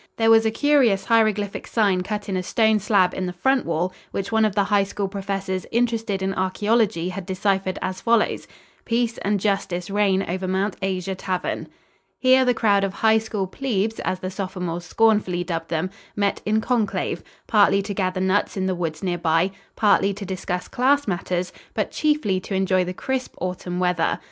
There was a curious hieroglyphic sign cut in a stone slab in the front wall which one of the High School professors interested in archæology had deciphered as follows: "Peace and Justice Reign Over Mount Asia Tavern." Here the crowd of High School "plebes," as the sophomores scornfully dubbed them, met in conclave, partly to gather nuts in the woods near by, partly to discuss class matters, but chiefly to enjoy the crisp autumn weather.